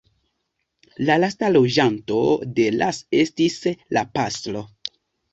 La lasta loĝanto de Las estis la pastro.